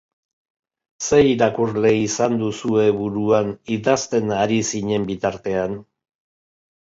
Zer irakurle izan duzue buruan idazten ari zinen bitartean?